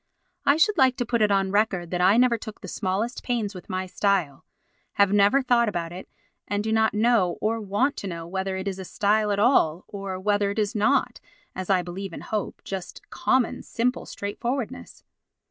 I should like to put it on record that I never took the smallest pains with my style, have never thought about it, and do not know or want to know whether it is a style at all or whether it is not, as I believe and hope, just common, simple straightforwardness.